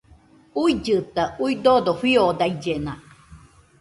Uillɨta, uidodo fiodaillena